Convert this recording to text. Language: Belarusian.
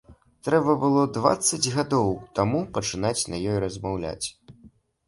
Трэба было дваццаць гадоў таму пачынаць на ёй размаўляць.